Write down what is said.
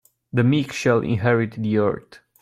The meek shall inherit the earth.